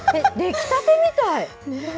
出来たてみたい。